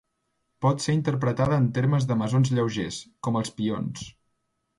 Pot ser interpretada en termes de mesons lleugers, com els pions.